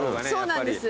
そうなんです